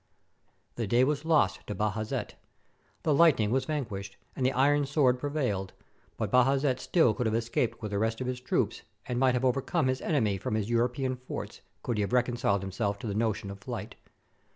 The day was lost to Bajazet. The "lightning" was vanquished, and the iron sword prevailed; but Bajazet still could have escaped with the rest of his troops, and might have overcome his enemy from his European forts, could he have reconciled himself to the notion of flight.